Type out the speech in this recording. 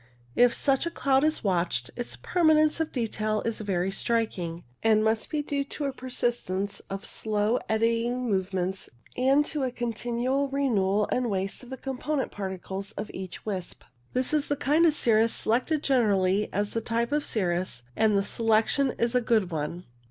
If such a cloud is watched, its permanence of detail is very striking, and must be due to a persistence of slow eddying movements and to a continual renewal and waste of the component particles of each wisp. This is the kind of cirrus selected generally as the type of cirrus, and the selection is a good one.